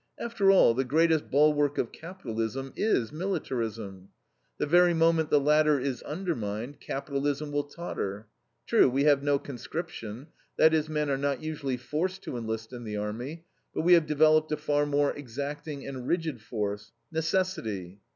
After all, the greatest bulwark of capitalism is militarism. The very moment the latter is undermined, capitalism will totter. True, we have no conscription; that is, men are not usually forced to enlist in the army, but we have developed a far more exacting and rigid force necessity.